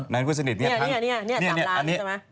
นั้นคุณสนิทเนี่ยเนี่ยเนี่ยเนี่ย๓ล้านใช่ไหม